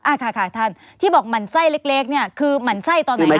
ค่ะค่ะท่านที่บอกหมั่นไส้เล็กเนี่ยคือหมั่นไส้ตอนไหนคะ